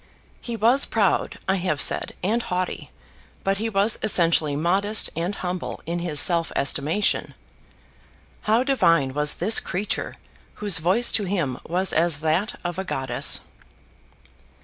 He was proud, I have said, and haughty; but he was essentially modest and humble in his self estimation. How divine was this creature, whose voice to him was as that of a goddess!